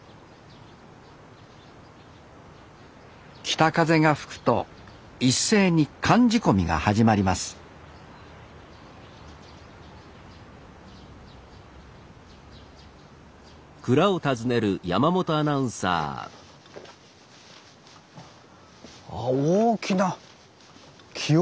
北風が吹くと一斉に寒仕込みが始まりますあ大きな木桶。